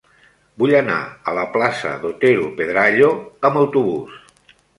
Vull anar a la plaça d'Otero Pedrayo amb autobús.